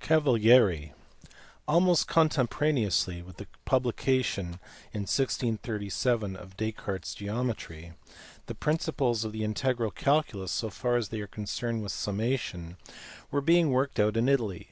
Cavalieri*. Almost contemporaneously with the publica tion in 1637 of Descartes s geometry, the principles of the integral calculus, so far as they are concerned with summation, were being worked out in Italy.